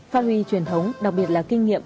phát huy truyền thống đặc biệt là kinh nghiệm